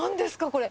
これ。